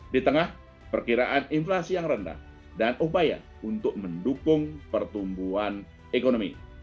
di tengah perkiraan inflasi yang rendah dan upaya untuk mendukung pertumbuhan ekonomi